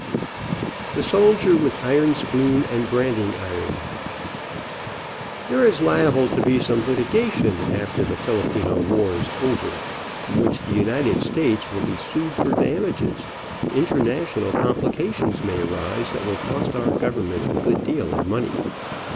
THE SOLDIER WITH IRON SPOON AND BRANDING IRON. There is liable to be some litigation after the Fili pino war is over, in which the United States will be sued for damages, and international complications may arise that will cost our government a good deal of money.